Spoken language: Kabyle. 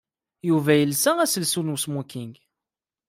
Yuba yelsa aselsu n wesmoking.